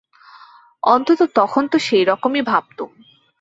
অন্তত তখন তো সেইরকমই ভাবতুম।